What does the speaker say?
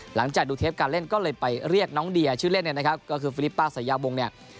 หลังจากดูเทปการเล่นก็เลยไปเรียกน้องเดียชื่อเล่นเนี่ยนะครับก็คือฟิลิปป้าสายยาวงเนี่ย